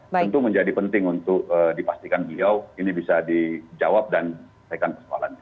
tentu menjadi penting untuk dipastikan dia ini bisa dijawab dan menaikan persoalan